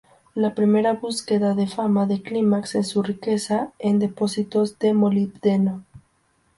La primera búsqueda de fama de Climax es su riqueza en depósitos de molibdeno.